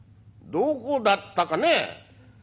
「どこだったかね。